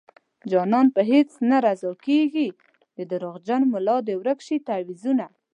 جانان په هيڅ نه رضا کيږي د دروغجن ملا دې ورک شي تعويذونه